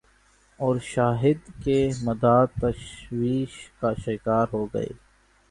اور شاہد کے مداح تشویش کا شکار ہوگئے۔